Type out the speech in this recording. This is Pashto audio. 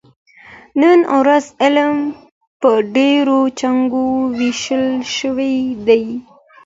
نن ورځ علم په ډېرو څانګو ویشل شوی دی.